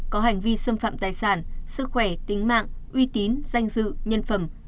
có hành vi xâm phạm tài sản sức khỏe tính mạng uy tín danh dự nhân phẩm